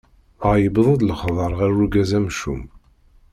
Dɣa yewweḍ lexbar ɣer urgaz amcum.